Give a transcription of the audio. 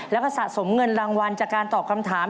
แล้วก็สะสมเงินรางวัลจากการตอบคำถาม